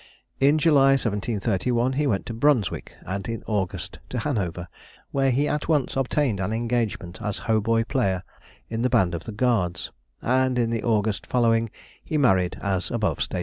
In July, 1731, he went to Brunswick, and in August to Hanover, where he at once obtained an engagement as hautboy player in the band of the Guards, and in the August following he married as above stated.